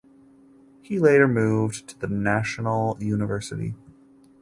He later moved to the National University.